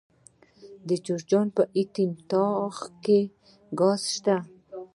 د جوزجان په یتیم تاغ کې ګاز شته.